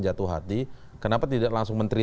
jatuh hati kenapa tidak langsung menteri